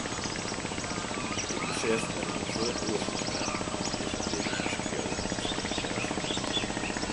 Ik besef dat ik in soad oerslein ha yn dizze libbensbeskriuwing fan mysels.